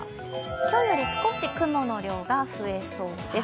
今日より少し雲の量が増えそうです。